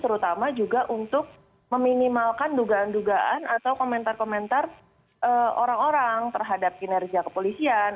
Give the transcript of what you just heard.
terutama juga untuk meminimalkan dugaan dugaan atau komentar komentar orang orang terhadap kinerja kepolisian